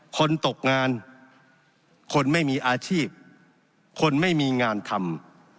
คนตกงานคนไม่มีอาชีพคนไม่มีงานทำ